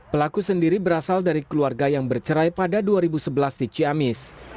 pelaku sendiri berasal dari keluarga yang bercerai pada dua ribu sebelas di ciamis